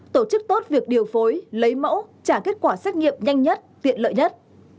tổ chức tốt việc điều phối lấy mẫu trả kết quả xét nghiệm nhanh nhất tiện lợi nhất